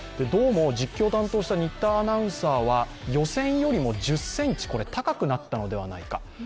どうも実況を担当した新タアナウンサーは予選よりも１０ｃｍ高くなったのではないかと。